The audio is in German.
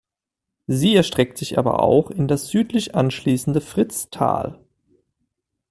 Sie erstreckt sich aber auch in das südlich anschließende Fritztal.